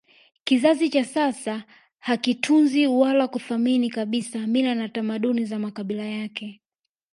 Kizazi cha sasa hakitunzi wala kuthamini kabisa mila na tamaduni za makabila yake